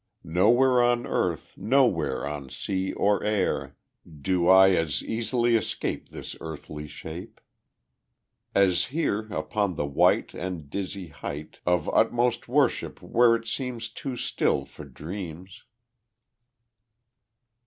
Nowhere on earth nowhere On sea or air, Do I as easily escape This earthly shape, As here upon the white And dizzy height Of utmost worship, where it seems Too still for dreams.